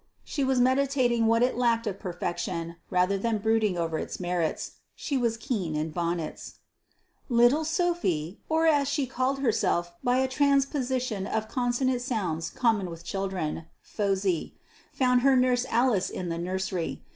She was meditating what it lacked of perfection rather than brooding over its merits: she was keen in bonnets. Little Sophy or, as she called herself by a transposition of consonant sounds common with children, Phosy found her nurse Alice in the nursery.